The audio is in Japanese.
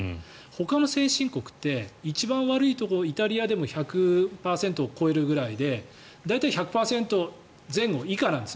ほかの先進国って一番悪いところ、イタリアでも１００％を超えるくらいで大体１００％前後以下なんです。